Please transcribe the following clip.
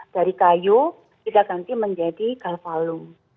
dari kayu tidak ganti menjadi kalvalum